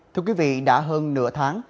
thưa quý vị đã hơn nửa tháng